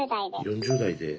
４０代で。